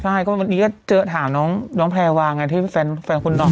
ใช่ก็วันนี้ก็เจอถามน้องแพรวาไงที่แฟนคุณน้อง